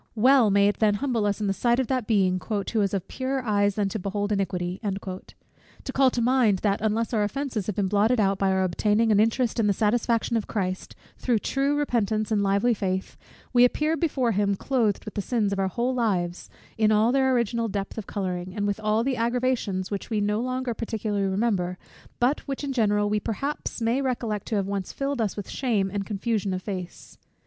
Well may it then humble us in the sight of that Being "who is of purer eyes than to behold iniquity;" to call to mind that, unless our offences have been blotted out by our obtaining an interest in the satisfaction of Christ, through true repentance and lively faith, we appear before him clothed with the sins of our whole lives, in all their original depth of colouring, and with all the aggravations which we no longer particularly remember, but which, in general, we, perhaps, may recollect to have once filled us with shame and confusion of face.